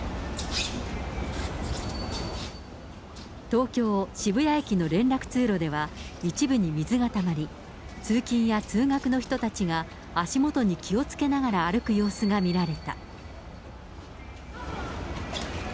東京・渋谷駅の連絡通路には一部に水がたまり、通勤や通学の人たちが、足元に気をつけながら歩く様子が見られた。